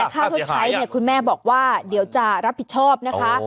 ค่าชดใช้เนี่ยคุณแม่บอกว่าเดี๋ยวจะรับผิดชอบนะคะ